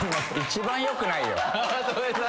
一番よくないよ。